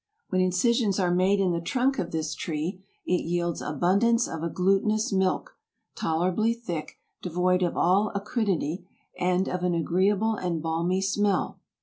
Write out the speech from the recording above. When incisions are made in the trunk of this tree, it yields abundance of a glutinous milk, tolerably thick, devoid of all acridity, and of an agreeable and balmy smell.